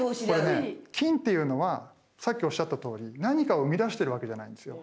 これね金っていうのはさっきおっしゃったとおり何かをうみだしてるわけじゃないんですよ。